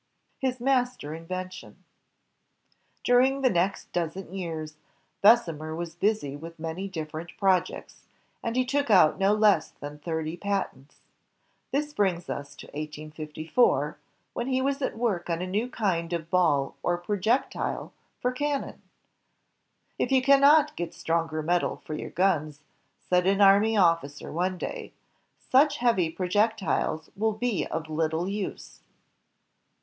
His Master Invention , During the next dozen years, Bessemer was busy with many different projects, and he took out no less than thirty patents. This brings us to 1854, when he was at work on a new kind of ball or projectile for cannon. "If you cannot get stronger metal for your guns," said an army officer one day, "such heavy projectiles will be of little use."